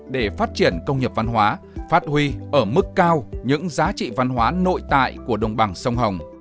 để phát triển công nghiệp văn hóa phát huy ở mức cao những giá trị văn hóa nội tại của đồng bằng sông hồng